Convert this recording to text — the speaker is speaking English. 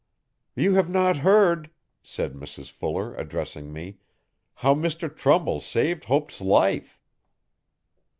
'You have not heard,' said Mrs Fuller addressing me, 'how Mr Trumbull saved Hope's life.'